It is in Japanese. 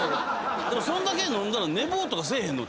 そんだけ飲んだら寝坊とかせえへんの？